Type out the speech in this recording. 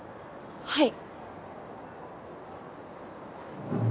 はい。